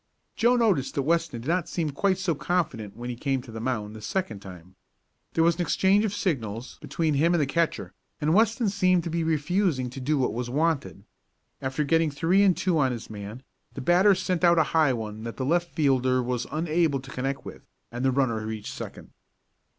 Joe noticed that Weston did not seem quite so confident when he came to the mound the second time. There was an exchange of signals between him and the catcher, and Weston seemed to be refusing to do what was wanted. After getting three and two on his man, the batter sent out a high one that the left fielder was unable to connect with, and the runner reached second.